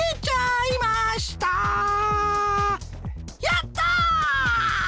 やった！